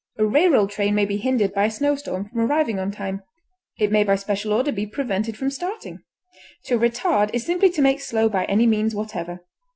A railroad train may be hindered by a snow storm from arriving on time; it may by special order be prevented from starting. To retard is simply to make slow by any means whatever.